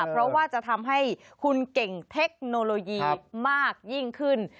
เพราะว่าจะทำให้คุณเก่งเทคโนโลยีมากยิ่งขึ้น